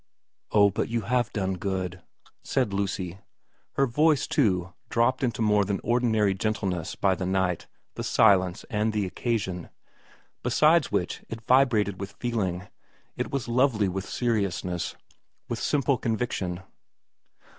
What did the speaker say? ' Oh, but you have done good,' said Lucy, her voice, too, dropped into more than ordinary gentleness by the night, the silence, and the occasion ; besides which it vibrated with feeling, it was lovely with seriousness, with simple conviction.